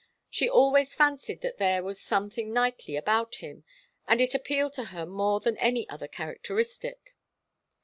She always fancied that there was something knightly about him, and it appealed to her more than any other characteristic.